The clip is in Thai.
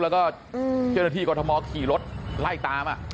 แล้วก็เจ้าหน้าที่กรทมขี่รถไล่ตาม